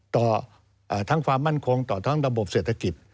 ต่อทั้งความมั่นคงต่อทั้งระบบเศรษฐกิจ